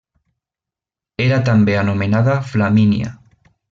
Era també anomenada Flamínia.